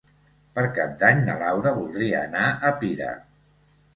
Per Cap d'Any na Laura voldria anar a Pira.